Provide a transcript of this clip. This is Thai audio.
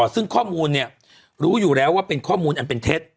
ซึ่งข้อมูลเนี่ยรู้อยู่แล้วว่าเป็นข้อมูลอันเป็นเท็จ